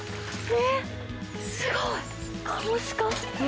えっ、すごい。